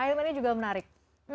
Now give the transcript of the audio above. akhirnya ini juga menarik